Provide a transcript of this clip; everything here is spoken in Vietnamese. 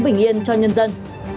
bình yên cho nhân dân